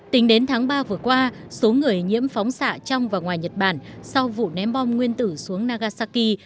tính đến tháng ba vừa qua số người nhiễm phóng xạ trong và ngoài nhật bản sau vụ ném bom nguyên tử xuống nagasaki